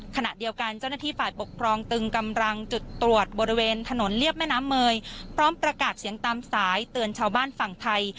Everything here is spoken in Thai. ขณะเดียวกันเจ้าหน้าที่ฝ่ายปกครองตึงกำลังจุดตรวจบริเวณถนนเรียบแม่น้ำเมยพร้อมประกาศเสียงตามสายเตือนชาวบ้านฝั่งไทย